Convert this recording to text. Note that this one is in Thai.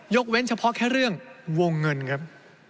เว้นเฉพาะแค่เรื่องวงเงินครับ